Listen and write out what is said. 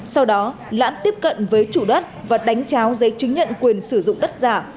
sau đó lãm tiếp cận với chủ đất và đánh cháo giấy chứng nhận quyền sử dụng đất giả